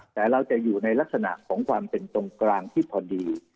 แต่เราจะอยู่ในลักษณะของความเป็นตรงกลางที่พอดี